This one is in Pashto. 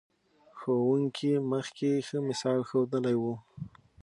ښوونکي مخکې ښه مثال ښودلی و.